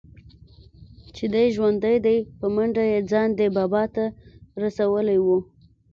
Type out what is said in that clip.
چې دى ژوندى دى په منډه يې ځان ده بابا ته رسولى و.